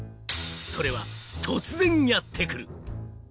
それは突然やってくる。